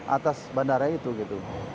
atas bandara itu